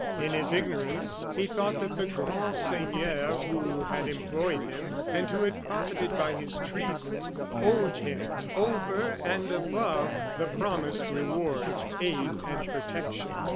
In his ignorance, he thought that the grand seigneur who had employed him, and who had profited by his treason, owed him, over and above the promised reward, aid and protection.